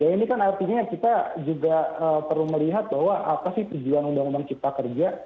ini kan artinya kita juga perlu melihat bahwa apa sih tujuan undang undang cipta kerja